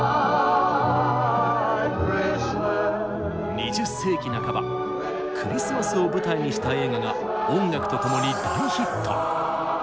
２０世紀半ばクリスマスを舞台にした映画が音楽とともに大ヒット。